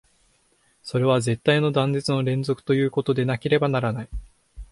それは絶対の断絶の連続ということでなければならない。